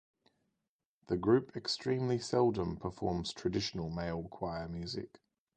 The group extremely seldom performs traditional male choir music.